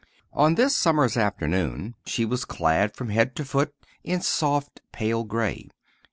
On this summer's afternoon she was clad from head to foot in soft, pale gray.